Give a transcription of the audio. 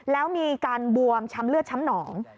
แล้วมีการบวมช้ำเลือดช้ำหนอง